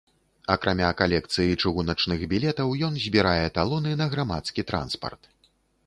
Акрамя калекцыі чыгуначных білетаў, ён збірае талоны на грамадскі транспарт.